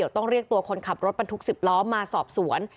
ต้องเรียกตัวคนขับรถบรรทุก๑๐ล้อมาสอบสวน